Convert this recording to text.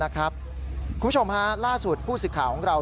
คุณผู้ชมล่าสุดผู้สื่อข่าวของเรา